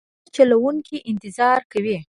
د موټر چلوونکی انتظار کوي.